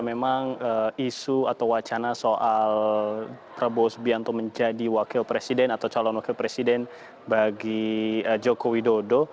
memang isu atau wacana soal prabowo subianto menjadi wakil presiden atau calon wakil presiden bagi joko widodo